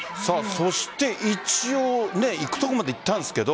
そして一応いくところまでいったんですけど。